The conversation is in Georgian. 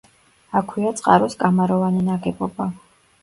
აქვეა წყაროს კამაროვანი ნაგებობა.